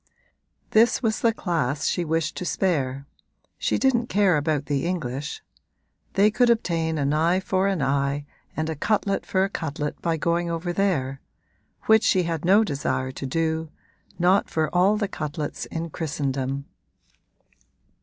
This was the class she wished to spare she didn't care about the English. They could obtain an eye for an eye and a cutlet for a cutlet by going over there; which she had no desire to do not for all the cutlets in Christendom!